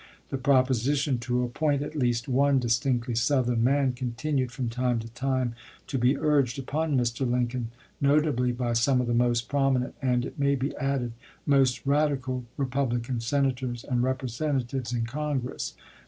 The proposition to appoint at least one distinctly Southern man continued from time to time to be urged upon Mr. Lincoln, notably by some of the most prominent and, it may be added, most radical Republican Senators and Representa tives in Congress.